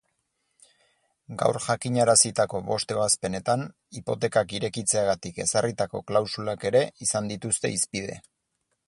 Gaur jakinarazitako bost ebazpenetan, hipotekak irekitzeagatik ezarritako klausulak ere izan dituzte hizpide.